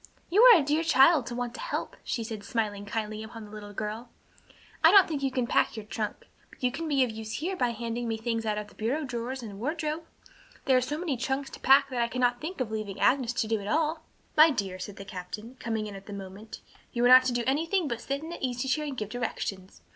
"You are a dear child to want to help," she said, smiling kindly upon the little girl. "I don't think you can pack your trunk, but you can be of use here by handing me things out of the bureau drawers and wardrobe. There are so many trunks to pack that I cannot think of leaving Agnes to do it all." "My dear," said the captain, coming in at that moment, "you are not to do anything but sit in that easy chair and give directions.